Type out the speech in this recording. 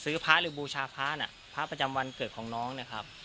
พระหรือบูชาพระน่ะพระประจำวันเกิดของน้องนะครับ